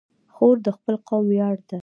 خور د خپل قوم ویاړ ده.